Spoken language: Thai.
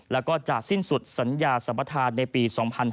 แล้วก็จะสิ้นสุดสัญญาสมบัติธารณ์ในปี๒๕๗๓